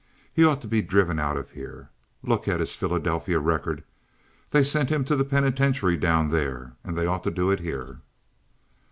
He ought to be driven out of here. Look at his Philadelphia record. They sent him to the penitentiary down there, and they ought to do it here."